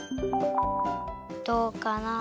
どうかな？